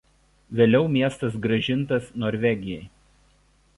Vėliau miestas grąžintas Norvegijai.